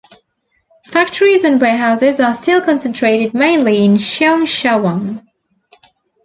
Factories and warehouses are still concentrated mainly in Cheung Sha Wan.